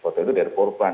foto itu dari korban